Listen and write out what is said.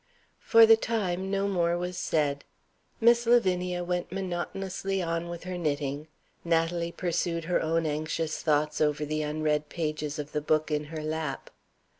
For the time, no more was said. Miss Lavinia went monotonously on with her knitting. Natalie pursued her own anxious thoughts over the unread pages of the book in her lap.